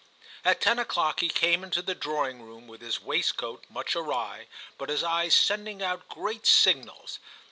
At ten o'clock he came into the drawing room with his waistcoat much awry but his eyes sending out great signals.